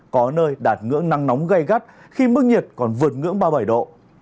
có nơi đạt ngưỡng nắng nóng gây gắt khi mức nhiệt còn vượt ngưỡng ba mươi bảy độ